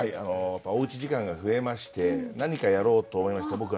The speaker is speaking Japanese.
おうち時間が増えまして何かやろうと思いまして